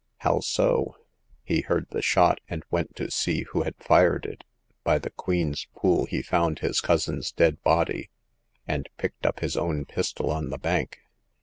" How so ?"He heard the shot, and went to see who had fired it. By the Queen's Pool he found his cousin's dead body, and picked up his own pistol on the bank.